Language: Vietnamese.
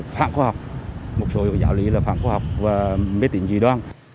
phản khóa học một số giáo lý là phản khóa học và biết tính gì đó